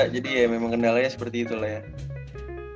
jadi ya memang kendalanya seperti itu lah ya